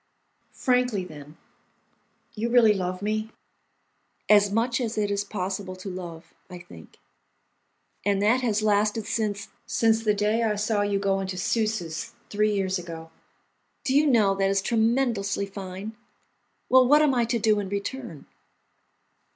"Frankly, then, you really love me?" "As much as it is possible to love, I think." "And that has lasted since—?" "Since the day I saw you go into Susse's, three years ago." "Do you know, that is tremendously fine? Well, what am I to do in return?"